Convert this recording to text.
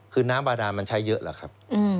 คือน้ำบาดานมันใช้เยอะเหรอครับ